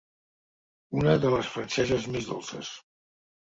Una de les franceses més dolces.